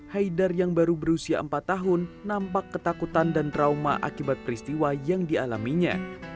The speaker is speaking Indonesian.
haidar yang baru berusia empat tahun nampak ketakutan dan trauma akibat peristiwa yang dialaminya